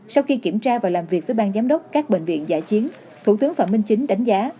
sau khi kiểm tra và làm việc với bang giám đốc các bệnh viện giả chiến thủ tướng phạm minh chính đánh giá